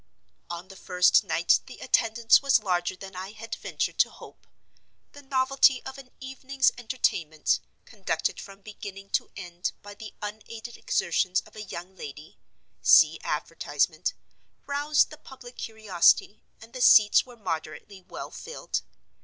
On the first night the attendance was larger than I had ventured to hope. The novelty of an evening's entertainment, conducted from beginning to end by the unaided exertions of a young lady (see advertisement), roused the public curiosity, and the seats were moderately well filled.